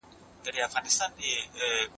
لويه جرګه به د ډېر وخت لپاره د ملي ګټو ساتنه کوي.